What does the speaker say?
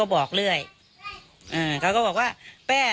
เลขทะเบียนรถจากรยานยนต์